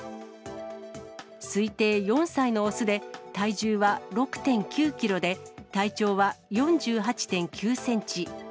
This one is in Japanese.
推定４歳の雄で、体重は６．９キロで、体長は４８．９センチ。